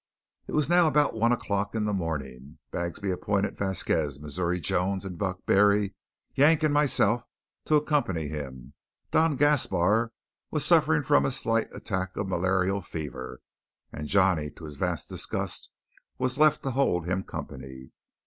It was now about one o'clock in the morning. Bagsby appointed Vasquez, Missouri Jones, Buck Barry, Yank and myself to accompany him. Don Gaspar was suffering from a slight attack of malarial fever; and Johnny, to his vast disgust, was left to hold him company.